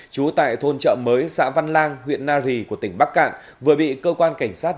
trú tại thôn chợ mới xã văn lang huyện nari của tỉnh bắc cạn vừa bị cơ quan cảnh sát